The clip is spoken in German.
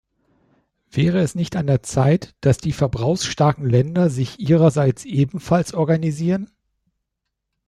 Wäre es nicht an der Zeit, dass die verbrauchsstarken Länder sich ihrerseits ebenfalls organisieren?